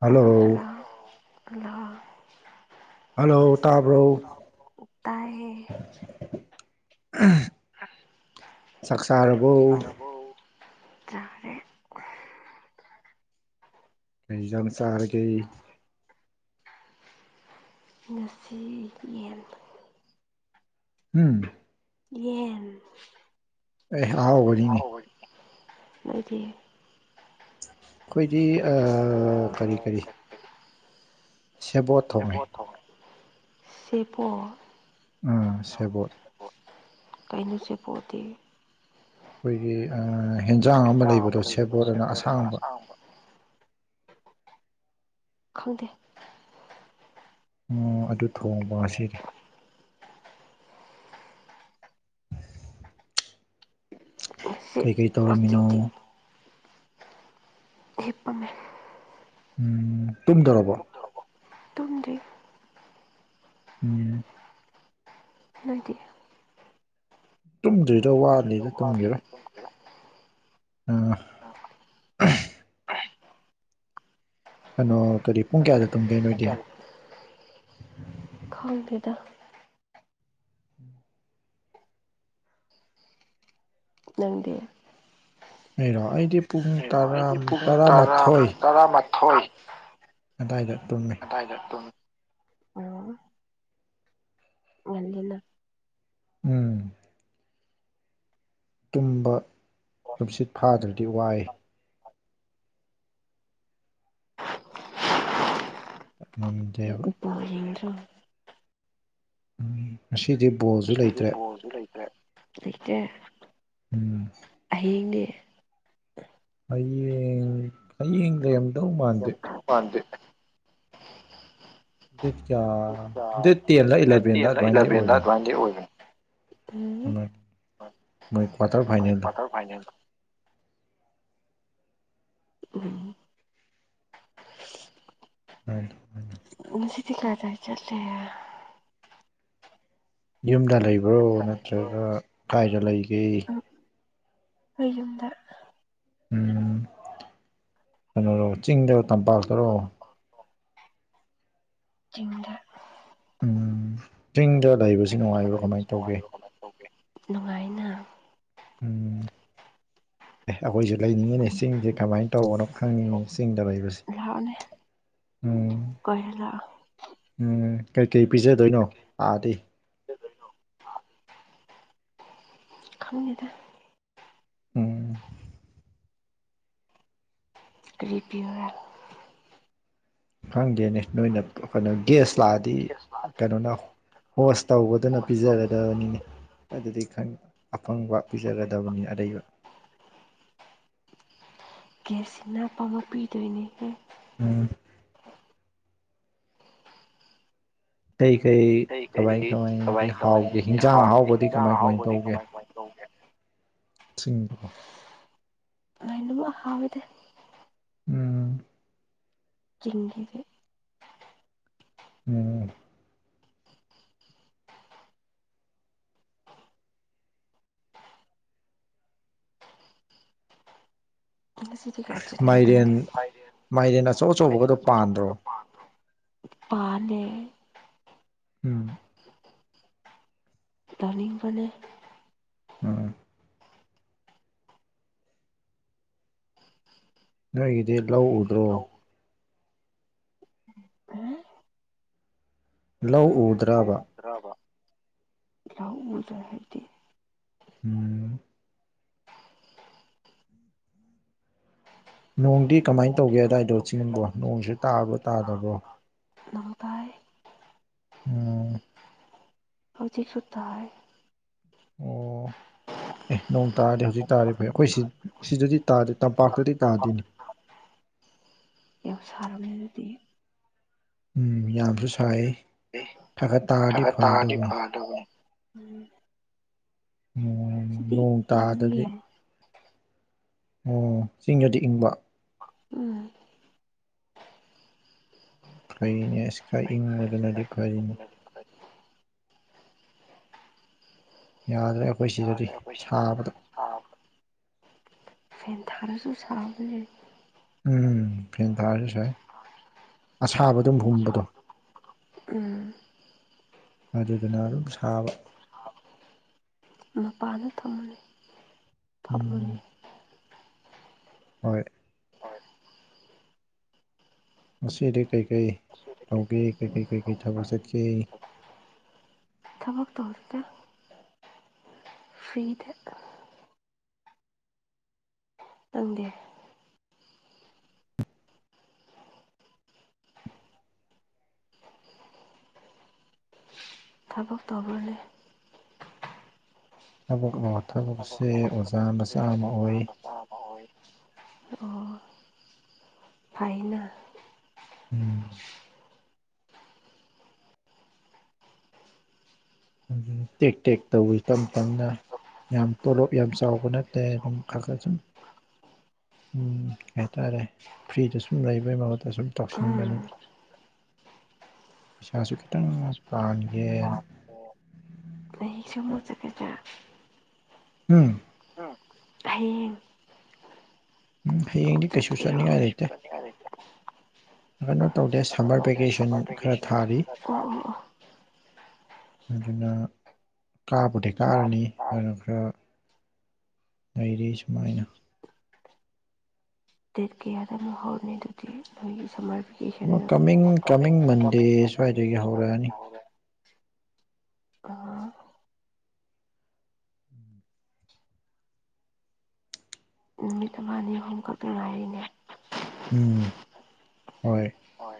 hello hello ꯇꯥꯕ꯭ꯔꯣ [unintelligible] [unintelligible] ꯇꯥꯏꯌꯦ ꯆꯥꯛꯁꯥꯔ ꯇꯔꯕꯣ ꯆꯥꯔꯦ ꯂꯩꯖꯅ ꯆꯥꯔꯈ ꯉꯁꯤ ꯌꯦꯟ ꯎꯝ ꯌꯦꯟ ꯑꯦ ꯑꯍꯥꯎꯕꯅꯤꯅꯦ ꯃꯗꯤ ꯑꯩꯈꯣꯏꯗꯤ ꯑꯥ ꯀꯔꯤ ꯀꯔꯤ ꯑꯩꯈꯣꯏ ꯁꯦꯕꯣꯠ ꯊꯣꯡꯉꯦ ꯑ ꯁꯦꯕꯣꯠ ꯑꯥ ꯁꯦꯕꯣꯠ ꯀꯩꯅꯣ ꯁꯦꯄꯣꯠꯇꯤ ꯑꯩꯈꯣꯏꯒꯤ ꯍꯦꯟꯖꯥꯡ ꯑꯃ ꯂꯩꯕꯗꯣ ꯁꯦꯞꯕꯣꯠ ꯑꯅ ꯑꯁꯥꯡꯕ ꯈꯪꯗꯦ ꯎ ꯑꯗꯨ ꯊꯣꯡꯕ ꯉꯁꯤꯗꯤ ꯉꯁꯤ ꯀꯩꯀꯩ ꯇꯧꯔꯝꯃꯤꯅꯣ ꯍꯧꯖꯤꯛꯇꯤ ꯍꯤꯞꯄꯅꯦ ꯎꯝ ꯇꯨꯝꯗꯔꯕꯣ ꯇꯨꯝꯗꯩ ꯎꯝ ꯍꯥꯏꯗꯤ ꯇꯨꯝꯗꯣꯏꯗ ꯋꯥꯅꯤ [unintelligible] ꯎꯝ ꯀꯩꯅꯣ ꯀꯔꯤ ꯄꯨꯡ ꯀꯌꯥꯗ ꯇꯨꯝꯒꯦ ꯅꯣꯏꯗꯤ ꯈꯪꯇꯦꯗ ꯅꯪꯗꯤ ꯂꯩꯔꯣ ꯑꯩꯗꯤ ꯄꯨꯡ ꯇꯥ ꯇꯔꯥꯃꯥꯊꯣꯏ ꯇꯔꯥ ꯃꯥꯊꯣꯏ ꯀꯗꯥꯏꯗ ꯇꯨꯝꯃꯤ ꯑꯗꯥꯢꯗ ꯇꯨꯝ ꯉꯝꯃꯔꯣꯢ ꯉꯥꯜꯂꯤꯅ ꯎꯝ ꯇꯨꯝꯕ ꯇꯨꯝꯁꯤꯠ ꯐꯥꯗ꯭ꯔꯗꯤ ꯋꯥꯏ ꯉꯥꯝꯗꯦꯕ ꯔꯦꯟ꯭ꯔ [inaudible] ꯉꯁꯤꯗꯤ ꯕꯣꯜꯁꯨ ꯂꯩꯇ꯭ꯔꯦ ꯄꯣꯜꯁꯨ ꯂꯩꯇ꯭ꯔꯦ ꯂꯩꯇꯦ ꯎꯝ ꯍꯌꯦꯡꯗꯤ ꯍꯌꯦꯡ ꯍꯌꯦꯡ ꯂꯩꯔꯝ ꯄꯥꯟꯗꯦ ꯗꯦꯠ ꯀꯌꯥ ꯗꯦꯠ ꯇꯦꯟꯂ ꯗꯦꯠ ꯏꯂꯚꯦꯟꯂ ꯇꯦꯟꯂ ꯑꯗꯨꯃꯥꯏꯅꯗꯤ ꯢꯂꯤꯕꯦꯟ ꯑꯣꯏꯕꯅꯤ ꯑꯗꯨꯃꯥꯢ ꯑꯣꯢꯕꯅꯦ ꯃꯣꯏ ꯀ꯭ꯋꯥꯇꯔ ꯎ ꯐꯥꯏꯅꯦꯜꯗꯣ ꯀꯇꯔ ꯐꯥꯏꯅꯦꯜ [inaudible] ꯎꯝ ꯍꯣꯏ ꯉꯁꯤꯗꯤ ꯀꯗꯥꯏ ꯆꯠꯂꯦ ꯌꯨꯝꯗ ꯂꯩꯕ꯭ꯔꯣ ꯅꯠꯇ꯭ꯔꯒ ꯀꯥꯏꯗ ꯂꯩꯒꯦ ꯑꯩ ꯌꯨꯝꯗ ꯎꯝ ꯀꯩꯅꯣꯔꯣ ꯆꯤꯡꯗꯔꯣ ꯇꯝꯄꯥꯛꯇꯔꯣ ꯆꯤꯡꯗ ꯎꯝ ꯆꯤꯡꯗ ꯂꯩꯕꯁꯤ ꯅꯨꯡꯉꯥꯏꯕ꯭ꯔꯥ ꯀꯃꯥꯏꯅ ꯇꯧꯒꯦ ꯅꯨꯡꯉꯥꯏꯅ ꯎꯝ ꯑꯦ ꯑꯩꯈꯣꯏꯁꯨ ꯂꯩꯅꯤꯡꯉꯤꯅꯦ ꯆꯤꯡꯁꯦ ꯀꯃꯥꯏꯅ ꯇꯧꯕꯅꯣ ꯈꯪꯅꯤꯡꯉꯤ ꯆꯤꯡꯗ ꯂꯩꯕꯁꯦ ꯎꯝ ꯀꯣꯏꯕ ꯂꯥꯛꯑꯣ ꯎꯝ ꯀꯩꯀꯩ ꯄꯤꯖꯗꯣꯏꯅꯣ ꯂꯥꯛꯑꯗꯤ ꯈꯪꯗ ꯎꯝ ꯀꯔꯤꯕꯤꯌꯔ ꯈꯪꯗꯦꯅꯦ ꯅꯣꯏꯅ ꯀꯩꯅꯣ ꯒ꯭ꯌꯥꯁ ꯂꯥꯛꯑꯗꯤ ꯀꯩꯅꯣꯅ ꯍꯣꯁ ꯇꯧꯕꯗꯨꯅ ꯄꯤꯖꯒꯗꯕꯅꯤꯅꯦ ꯗꯤ ꯑꯐꯪꯕ ꯄꯤꯖꯒꯗꯕꯅꯤ ꯑꯔꯩꯕ ꯒ꯭ꯌꯥꯁꯁꯤꯅ ꯄꯥꯝꯃꯛ ꯄꯤꯗꯣꯏꯅꯦ ꯎꯝ ꯀꯩ ꯀꯩ ꯀꯃꯥꯏ ꯀꯃꯥꯏꯗꯤ ꯍꯥꯎꯒꯦ ꯍꯤꯟꯖꯥꯡ ꯑꯍꯥꯎꯕꯗꯤ ꯀꯃꯥꯏ ꯀꯃꯥꯏ ꯇꯧꯒꯦ ꯊꯔꯤꯗꯕꯣ [inaudible] ꯂꯣꯢꯅꯃꯛ ꯍꯥꯎꯢꯗ ꯎꯝ ꯆꯤꯡꯒꯤꯁꯦ ꯎꯝ ꯁꯤꯗꯤ ꯀꯆ ꯂꯩ ꯃꯥꯏꯔꯦꯟ ꯃꯥꯏꯔꯦꯟ ꯑꯆꯧ ꯑꯆꯧꯕꯒꯗꯣ ꯄꯥꯟꯗ꯭ꯔꯣ ꯄꯅꯦ ꯎꯝ ꯗꯅꯤꯡꯕꯅꯦ ꯎꯝ ꯅꯣꯏꯒꯤꯗꯤ ꯂꯧ ꯎꯗ꯭ꯔꯣ ꯂꯧ ꯎꯗ꯭ꯔꯕ ꯔꯕ [unintelligible] ꯃꯖ ꯍꯥꯏꯗꯤ ꯎꯝ ꯅꯣꯡꯗꯤ ꯀꯃꯥꯏꯅ ꯇꯧꯒꯦ ꯑꯗꯨꯗꯥꯋꯥꯏꯗꯣ ꯆꯤꯡꯕꯣ ꯅꯣꯡꯁꯨꯦ ꯇꯥꯕ꯭ꯔꯣ ꯇꯥꯗꯕ꯭ꯔꯣ ꯃꯕꯥꯥꯏ ꯎꯝ ꯍꯧꯖꯤꯛꯁꯨꯊ ꯍꯥꯏ ꯑꯣ [unintelligible] ꯑꯦ ꯅꯣꯡ ꯇꯥꯔꯗꯤ ꯍꯧꯖꯤꯛ ꯇꯥꯔꯦ ꯐꯩ ꯑꯩꯈꯣꯏ ꯁꯤ ꯁꯤꯗꯗꯤ ꯇꯥꯗꯦ ꯇꯝꯄꯥꯛꯇꯗꯤ ꯇꯥꯗꯦꯅꯤ ꯌ ꯁꯥꯔꯅꯤ ꯍꯥꯏꯗꯤ ꯎꯝ ꯌꯥꯝꯁꯨ ꯁꯥꯏꯌꯦ ꯊꯥꯒꯠ ꯇꯥꯔꯗꯤ ꯐꯗꯧꯕ ꯀ [unintelligible] ꯎꯝ ꯁꯤꯗꯤ ꯅꯣꯡ ꯇꯥꯗꯗꯤ ꯏꯪꯉꯦ ꯑꯣ ꯆꯤꯡꯁꯨꯗꯤ ꯏꯪꯕ ꯎꯝ ꯐ꯭ꯔꯩꯅꯦ ꯁꯤꯀꯥ ꯏꯪ ꯃꯗꯅ ꯑꯗꯤ ꯐꯔꯤꯅꯤ ꯌꯥꯗ꯭ꯔꯦ ꯑꯩꯈꯣꯏ ꯁꯤꯗꯗꯤ ꯁꯥꯕꯗ ꯑꯥ ꯁꯥꯁꯨ ꯁꯥꯒ꯭ꯔꯦ ꯎꯝ ꯐꯦꯟ ꯊꯥꯔꯁꯥꯏ ꯑꯁꯥꯕꯗꯨꯝ ꯍꯨꯝꯕꯗꯣ ꯎꯝ ꯑꯗꯨꯗꯨꯅ ꯑꯗꯨꯝ ꯁꯥꯕ ꯃꯄꯥꯥꯟꯗ ꯊꯝꯃꯩ ꯎꯝ ꯍꯣꯏ ꯃꯁꯤꯁꯤꯗꯤ ꯀꯩꯀꯩ ꯇꯧꯒꯦ ꯀꯩꯀꯩ ꯀꯩꯀꯩ ꯊꯕꯛ ꯆꯠꯀꯦ ꯊꯕꯛꯛꯇꯧꯔꯛꯇꯦ ꯐ꯭ꯔꯤꯗ ꯇꯪꯗꯦ ꯊꯕꯛ ꯇꯧꯕꯅꯦ ꯊꯕꯛ ꯊꯕꯛꯁꯦ ꯑꯣꯖꯥ ꯃꯆꯥ ꯑꯃ ꯑꯣꯏ [unintelligible] ꯑꯣ ꯐꯥꯏꯅ ꯎꯝ ꯎ ꯇꯦꯛ ꯇꯦꯛ ꯇꯧꯋ ꯇꯞ ꯇꯞꯅ ꯌꯥꯝ ꯇꯣꯂꯣꯞ ꯌꯥꯝ ꯆꯥꯎꯕ ꯅꯠꯇꯦ ꯑꯗꯨꯝ ꯈꯔ ꯈꯔ ꯁꯨꯝ ꯎꯝ ꯀꯩ ꯍꯥꯏꯇꯥꯔꯦ ꯐ꯭ꯔꯤꯗ ꯁꯨꯝ ꯂꯩꯕꯩ ꯃꯍꯨꯠꯇ ꯁꯨꯝ ꯇꯧꯁꯤꯟꯕꯅꯤꯅ [unintelligible] ꯄꯩꯁꯥꯁꯨ ꯈꯤꯇꯪ ꯄꯥꯟꯒꯦꯅ ꯑꯩ ꯁ ꯆ ꯎꯝ ꯍꯌꯦꯡ ꯎꯝ ꯑꯃꯨꯛ ꯍꯌꯦꯡꯗꯤ ꯀꯩꯁꯨ ꯆꯠꯇꯣꯏꯔꯣ ꯆꯠꯅꯤꯡꯉꯥꯏ ꯂꯩꯇꯦ ꯀꯩꯅꯣ ꯇꯧꯗꯦ ꯁꯝꯕꯔ ꯚꯦꯀꯦꯁꯟ ꯈꯔ ꯊꯥꯔꯤ ꯑꯣ ꯑꯣ ꯑꯣ ꯑꯗꯨꯅ ꯀꯥꯕꯨꯗꯤ ꯀꯥꯔꯅꯤ ꯑꯗꯨꯅ ꯈꯔ ꯂꯩꯔꯤ ꯁꯨꯃꯥꯏꯅ ꯗꯦꯠ ꯀꯌꯥꯗꯅ ꯍꯧꯔꯅꯤ ꯑꯗꯨꯗꯤ ꯅꯣꯏꯒꯤ ꯁꯝꯃꯔꯕꯤ ꯑꯃ ꯀꯃꯤꯡ ꯀ ꯀꯃꯤꯡ ꯃꯟꯗꯦ ꯁ꯭ꯋꯥꯏꯗꯒꯤ ꯀꯒꯦ ꯍꯧꯔꯛꯑꯅꯤ ꯑꯥ ꯅꯨꯃꯤꯠ ꯑꯃꯅꯤ ꯑꯍꯨꯝ ꯈꯛꯇ ꯉꯥꯏꯔꯤꯅꯦ ꯎꯝ ꯍꯣꯏ ꯍꯣꯏ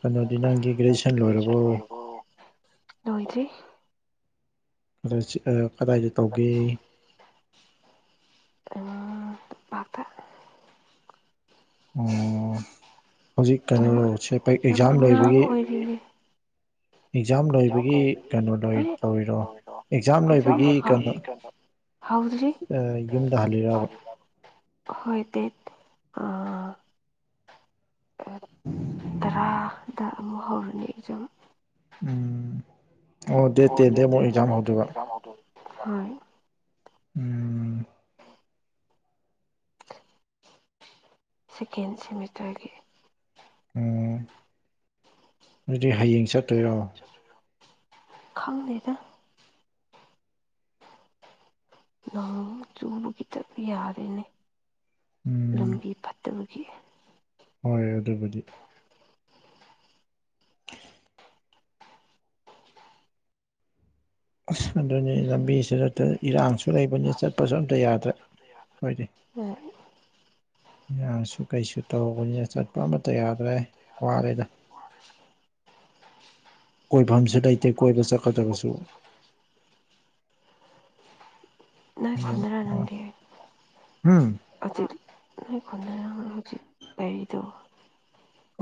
ꯀꯩꯅꯣꯗꯤ ꯅꯪꯒꯤꯒ꯭ꯔꯦꯁ ꯂꯣꯏꯁꯤ ꯀꯗꯥꯏꯗ ꯇꯧꯒꯦ ꯇꯝꯄꯥꯛꯇ ꯍꯧꯖꯤꯛ ꯀꯩꯅꯣꯁꯦ ꯑꯦꯛꯖꯥꯝ ꯂꯩꯣꯏꯕꯒꯤ ꯎꯝ ꯑꯦꯛꯖꯥꯝ ꯂꯣꯏꯕꯒꯤ ꯀꯩꯅꯣ ꯂꯣꯏ ꯇꯧꯔꯤꯔꯣ ꯑꯦꯛꯖꯥꯝ ꯂꯣꯏꯕꯒꯤꯛꯖꯥꯝ ꯂꯣꯏꯕꯒꯤ ꯂꯕꯒꯤ ꯀꯩꯅꯣ ꯍꯥꯎꯗ꯭ꯔꯔꯤ ꯌꯨꯝꯗ ꯍꯜꯂꯤꯔꯕ ꯍꯣꯏ ꯗꯦꯠ [unintelligible] ꯇꯔꯥꯗ ꯑꯃꯨꯛ ꯍꯧꯔꯨꯅꯤ ꯑꯦꯛꯖꯥꯝ ꯎꯝ ꯑꯣ ꯗꯦꯠ ꯇꯦꯟꯗꯩ ꯑꯃꯨꯛ ꯑꯦꯛꯖꯥꯝ ꯍꯧꯗꯣꯏꯕ [unintelligible] ꯍꯣꯏ ꯎꯝ ꯁꯦꯀꯦꯟ ꯁꯦꯃꯤꯁꯇꯔꯒꯤ ꯎ ꯑꯗꯨꯗꯤ ꯍꯌꯦꯡ ꯆꯠꯇꯣꯏꯔꯣ ꯈꯪ ꯂꯩꯗ ꯅꯣꯡ ꯆꯨꯕꯒꯤꯇꯞ ꯌꯥꯔꯦꯅꯦ ꯎꯝ ꯂꯝꯕꯤ ꯐꯠꯇꯕꯒꯤ ꯁꯤ ꯍꯣꯏ ꯑꯗꯨꯕꯨꯗꯤ ꯑꯗꯨꯅꯤ ꯂꯝꯕꯤꯁꯤꯗ ꯏꯔꯥꯡꯁꯨ ꯂꯩꯕꯅꯤ ꯆꯠꯄꯁꯨ ꯑꯝꯇ ꯌꯥꯗ꯭ꯔꯦ ꯎꯝ ꯌꯥꯁꯨ ꯀꯩꯁꯨ ꯇꯧꯕꯅꯤꯅ ꯆꯠꯄ ꯑꯃꯠꯇ ꯌꯥꯗ꯭ꯔꯦ ꯋꯥꯠꯔꯦꯗ ꯋꯥꯔꯦ ꯀꯣꯏꯐꯝꯁꯨ ꯂꯩꯇꯦ ꯀꯣꯏꯕ ꯆꯠꯀꯗ꯭ꯔꯕꯁꯨ ꯅꯣꯏ ꯈꯨꯟꯗꯔ ꯎꯝ ꯑꯗꯨꯆ ꯈꯣꯟꯟꯅꯔꯅ ꯍꯧ ꯎꯆ ꯂꯩꯗꯣ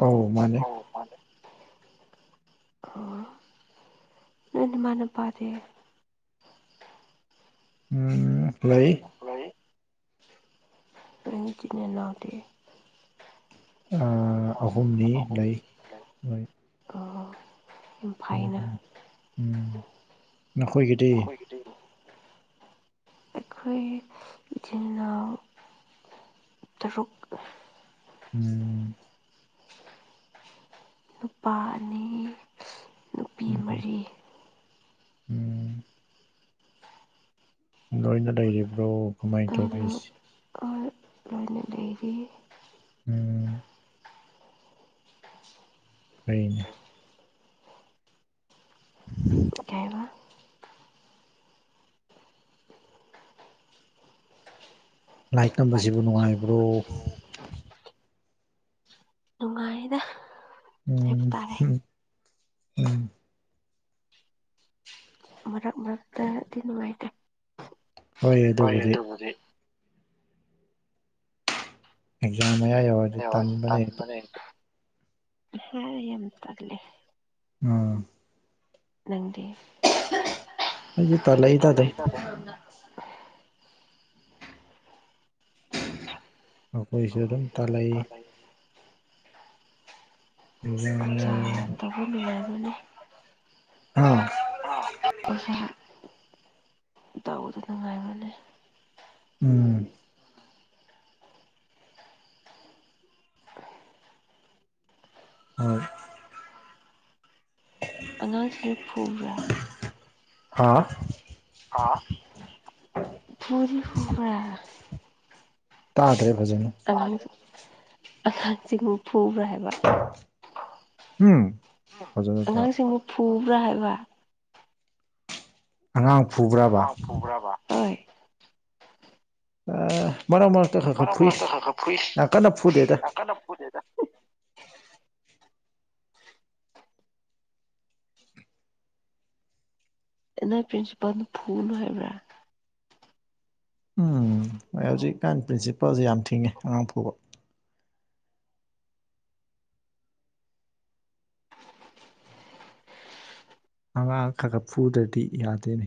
ꯑꯧ ꯃꯥꯅꯦ ꯅ ꯃꯥꯥꯟꯅ ꯄꯥꯗꯦ ꯎꯝ ꯂꯩ ꯂꯩ ꯃ ꯆꯅꯦ ꯅꯅꯥꯇꯦ ꯑꯍꯨꯝꯅꯤ ꯂꯩ ꯃꯣꯏ ꯑꯣ ꯎꯝ ꯎꯝꯝ ꯎꯝ ꯅꯈꯣꯏꯒꯤꯗꯤ ꯑꯩꯣꯏ ꯏꯆꯅꯣ ꯇꯔꯨꯛ ꯎꯝ ꯅꯨꯄꯥ ꯑꯅꯤ ꯅꯨꯄꯤ ꯎꯝ ꯃꯔꯤ ꯎꯝ ꯂꯣꯏꯅ ꯂꯩꯔꯤꯕ꯭ꯔꯣ ꯀꯃꯥꯏꯅ ꯇꯧꯒꯦꯁꯤ ꯑ ꯑꯗꯨꯣꯏꯦ ꯑꯩꯗꯒꯤ ꯎꯝ ꯀꯅꯦ ꯑꯣ ꯀꯥꯏꯔꯥ ꯂꯥꯏꯔꯤꯛ ꯇꯝꯕꯁꯤꯕꯨ ꯅꯨꯡꯉꯥꯏꯕ꯭ꯔꯣ ꯅꯨꯡꯉꯥꯏꯗ ꯍꯥꯏꯕ ꯎꯝ ꯇꯥꯔꯦ ꯎꯝ ꯃꯔꯛ ꯃꯔ ꯑꯗꯨꯅꯅꯨꯡꯉꯥꯏꯇꯦ ꯍ ꯑꯗꯨꯕꯨꯗꯤ ꯑꯦꯛꯖꯥꯝ ꯃꯌꯥ ꯌꯧꯔ ꯑꯗꯨꯗꯤ ꯍ ꯌꯦꯂꯤ ꯎꯝ ꯅꯪꯗꯤ ꯑꯩꯁꯨ ꯑꯩꯗꯤ ꯄ ꯇꯜꯂꯛꯏꯗ ꯑꯗꯨꯝ ꯂꯩꯗꯗꯣ ꯃꯈꯣꯏꯁꯨ ꯑꯗꯨꯝ ꯇꯥꯜꯂꯛꯏ ꯎꯆꯥꯥ ꯏꯟꯖꯥꯡ ꯇꯧꯕ ꯅꯨꯡꯉꯗꯨꯅꯦ ꯑ ꯑ ꯑꯣ ꯍ ꯇꯕꯗ ꯅꯨꯡꯉꯥꯏꯕꯅꯤ ꯎꯝ ꯍꯣꯏ ꯑꯉꯥꯡꯁꯤꯁꯨ ꯐꯕ꯭ꯔꯥ ꯍꯥꯥ ꯄꯨ ꯐꯥ ꯇꯥꯗ꯭ꯔꯦ ꯐꯖꯅ ꯑꯉꯥꯡꯁꯨ ꯑꯉꯥꯡꯁꯤꯡ ꯐꯨꯕ꯭ꯔꯥ ꯍꯥꯏꯕ ꯎꯝ ꯐꯖꯅ ꯇꯥ ꯑꯉꯥꯡꯁꯤꯡꯕꯨ ꯐꯨꯕ꯭ꯔꯥ ꯍꯥꯏꯕ ꯑꯉꯥꯡ ꯐꯨꯕ꯭ꯔꯥ ꯥꯎ ꯄꯨꯨꯕ꯭ꯔꯥꯕ ꯍꯣꯢ ꯃꯔꯛ ꯃꯔꯛꯇ ꯈꯔ ꯈꯔ ꯐꯨꯏ ꯌꯥꯝ ꯀꯟꯅ ꯐꯨꯗꯦꯗ [unintelligible] ꯅꯣꯢ ꯄ꯭ꯔꯤꯟꯁꯤꯄꯥꯜꯅ ꯐꯨꯅꯨ ꯍꯥꯏꯕ꯭ꯔꯥ ꯎꯝ ꯍꯣꯏ ꯍꯧꯖꯤꯛꯀꯥꯟ ꯄ꯭ꯔꯤꯟꯁꯤꯄꯜꯁꯦ ꯌꯥꯝ ꯊꯤꯡꯉꯦ ꯑꯉꯥꯡ ꯄꯨꯥꯎꯕ ꯑꯉꯥꯡ ꯈꯒ ꯐꯨꯗ꯭ꯔꯗꯤ ꯌꯥꯗꯦꯅꯦ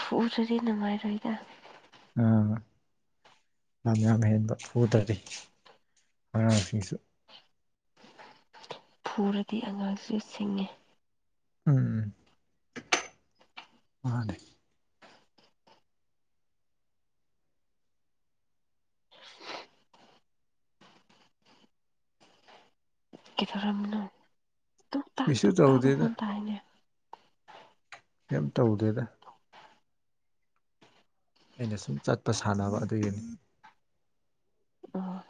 ꯐꯎꯗ꯭ꯔꯗꯤ ꯅꯨꯡꯉꯥꯏꯔꯣꯏꯗ ꯑꯥ ꯌꯥꯝ ꯌꯥꯝ ꯍꯦꯟꯕ ꯐꯨꯗꯔꯤ ꯑꯉꯥꯡꯁꯤꯡꯁꯨ ꯐꯨꯔꯗꯤ ꯑꯉꯥꯡꯁꯨ ꯁꯤꯡꯉꯤ ꯎꯝ ꯃꯥꯅꯦ ꯀ ꯊꯧꯔꯝꯅ ꯃꯤꯁꯨ ꯇꯎꯗꯦꯅ ꯇꯥꯏꯅꯦ ꯀꯩ ꯇꯧꯗꯦꯗ ꯑꯩꯅ ꯁꯨꯝ ꯆꯠꯄ ꯁꯥꯟꯅꯕ ꯑꯗꯨꯒꯤꯅꯤ ꯑꯥ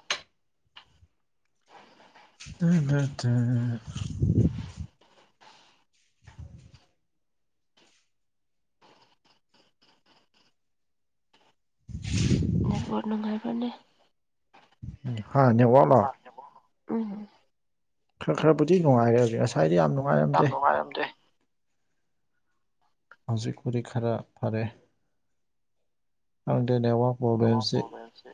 ꯂꯩ ꯂꯩꯇ ꯑꯣ [inaudible] ꯅꯅꯨꯡꯉꯥꯏꯕꯅꯤ ꯍꯥ ꯅꯦꯋꯥꯛꯂꯣ ꯎꯝ ꯈꯔ ꯈꯔꯕꯨꯗꯤꯅꯨꯡꯉꯥꯏꯔꯦ ꯍꯧꯖꯤ ꯉꯁꯥꯏꯗꯤ ꯌꯥꯝ ꯅꯨꯡꯉꯥꯏꯔꯝ ꯌꯥꯝ ꯅꯨꯡꯉꯥꯏꯔꯝꯗꯦ ꯍꯧꯖꯤꯛ ꯈꯔꯤ ꯈꯔꯥ ꯐꯔꯦ ꯑꯪ ꯗꯦꯧ ꯄꯣꯕ꯭ꯂꯦꯝꯁꯦ ꯍꯁꯦ